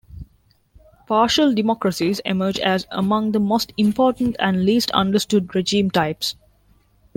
Partial democracies emerge as among the most important and least understood regime types.